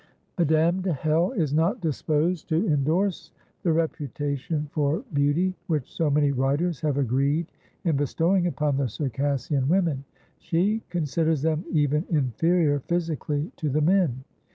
Madame de Hell is not disposed to endorse the reputation for beauty which so many writers have agreed in bestowing upon the Circassian women. She considers them even inferior, physically, to the men.